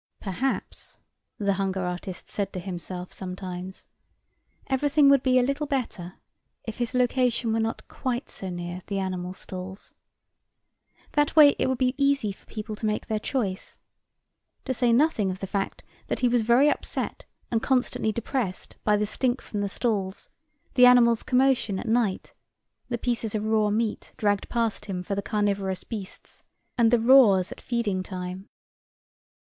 Perhaps, the hunger artist said to himself sometimes, everything would be a little better if his location were not quite so near the animal stalls. That way it would be easy for people to make their choice, to say nothing of the fact that he was very upset and constantly depressed by the stink from the stalls, the animals' commotion at night, the pieces of raw meat dragged past him for the carnivorous beasts, and the roars at feeding time.